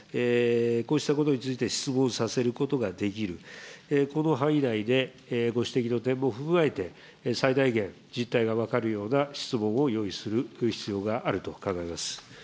こうしたことについて質問させることができる、この範囲内で、ご指摘の点も踏まえて、最大限、実態が分かるような質問を用意する必要があると考えます。